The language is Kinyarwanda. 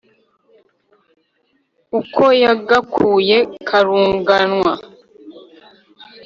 Ukwo yagakuye karunganwa,